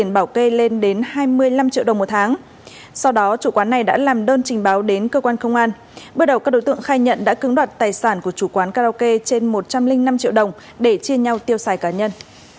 bước đầu các đối tượng khai nhận đã cứng đoạt tài sản của chủ quán karaoke trên một trăm linh năm triệu đồng để chia nhau tiêu xài cá nhân